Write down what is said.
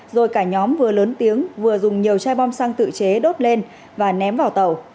rồi cả nhóm vừa lớn tiếng vừa dùng nhiều chai bom xăng tự chế đốt lên và ném vào tàu